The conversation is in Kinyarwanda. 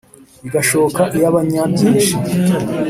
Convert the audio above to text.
igashoka iy'abanyábyinshí